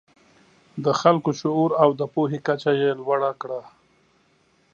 د خلکو شعور او د پوهې کچه یې لوړه کړه.